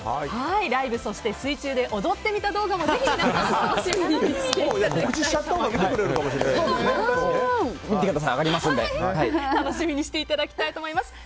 ライブ、そして水中で踊ってみた動画もぜひ皆さん、楽しみにしていただきたいと思います。